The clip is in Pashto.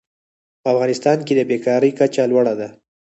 په افغانستان کې د بېکارۍ کچه لوړه ده.